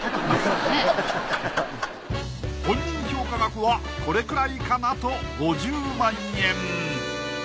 本人評価額はこれくらいかなと５０万円。